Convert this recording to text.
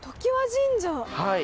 はい。